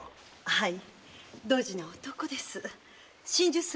はい。